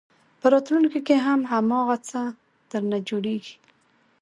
په راتلونکي کې هم هماغه څه درنه جوړېږي.